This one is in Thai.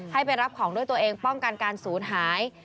ให้ไปรับของด้วยตัวเองป้องกันการศูนย์หาย